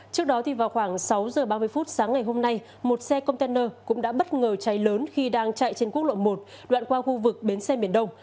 trước đó vào khoảng sáu giờ ba mươi phút sáng ngày hôm nay một xe container cũng đã bất ngờ cháy lớn khi đang chạy trên quốc lộ một đoạn qua khu vực bến xe miền đông